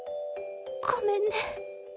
ごめんね。